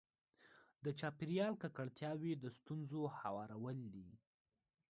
د چاپېریال ککړتیاوې د ستونزو هوارول دي.